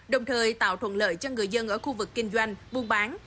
đồng thời tạo thuận lợi cho người dân ở khu vực kinh doanh buôn bán